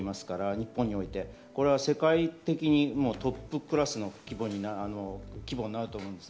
日本において、世界的にトップクラスの規模になると思います。